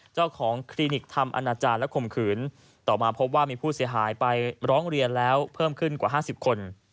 คลินิกทำอนาจารย์และข่มขืนต่อมาพบว่ามีผู้เสียหายไปร้องเรียนแล้วเพิ่มขึ้นกว่า๕๐คน